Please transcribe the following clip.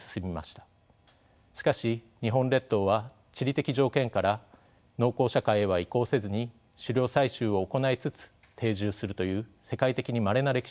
しかし日本列島は地理的条件から農耕社会へは移行せずに狩猟採集を行いつつ定住するという世界的にまれな歴史をたどったのです。